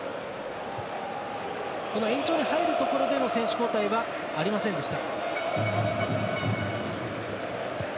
延長に入るところでの選手交代はありませんでした。